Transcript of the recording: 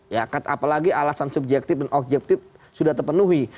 ya apalagi alasan subjektif dan objektif sudah terpenuhi